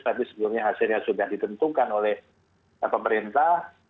tapi sebelumnya hasilnya sudah ditentukan oleh pemerintah